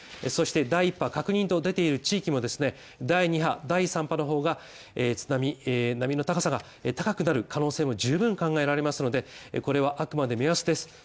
そして第一波確認と出ている地域もですね、第２波第３波の方が波の高さが高くなる可能性も十分考えられますのでこれはあくまで目安です